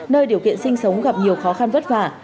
nơi điều kiện sinh sống gặp nhiều khó khăn vất vả